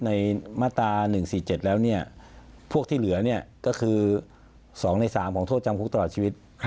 ในมาตรา๑๔๗แล้วพวกที่เหลือก็คือ๒ใน๓ของโทษจำคุกตลอดชีวิต